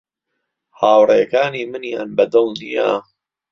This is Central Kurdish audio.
هاوڕێکانی منیان بە دڵ نییە.